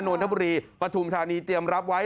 นนทบุรีปฐุมธานีเตรียมรับไว้